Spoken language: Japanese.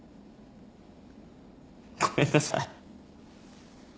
ごめんなさい。